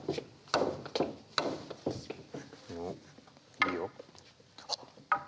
いいよ。